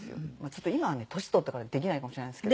ちょっと今はね年取ったからできないかもしれないですけど。